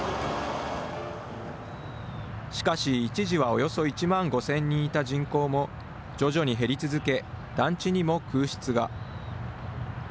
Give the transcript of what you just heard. しかし、一時はおよそ１万５０００人いた人口も徐々に減り続け、団地にも空室が。